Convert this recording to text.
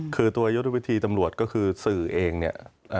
คือตัวยุทธวิธีตำรวจก็คือสื่อเองเนี่ย